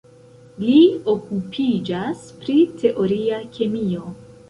Li okupiĝas pri teoria kemio.